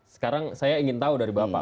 sekarang saya ingin tahu dari bapak